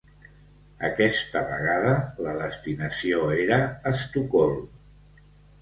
Aquesta vegada la destinació era Estocolm.